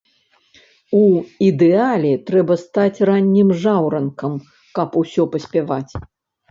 У ідэале трэба стаць раннім жаўранкам, каб усё паспяваць.